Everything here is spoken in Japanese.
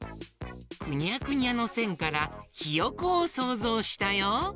くにゃくにゃのせんから「ひよこ」をそうぞうしたよ。